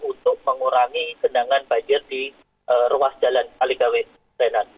untuk mengurangi gendangan banjir di ruas jalan tolokaligawi renhar